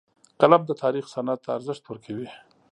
قلم د تاریخ سند ته ارزښت ورکوي